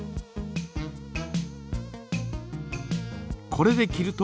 これで切ると？